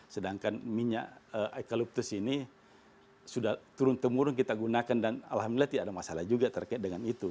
sedangkan minyak eukaliptus ini sudah turun temurun kita gunakan dan alhamdulillah tidak ada masalah juga terkait dengan itu